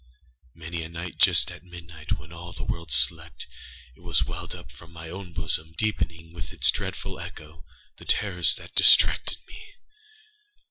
Many a night, just at midnight, when all the world slept, it has welled up from my own bosom, deepening, with its dreadful echo, the terrors that distracted me.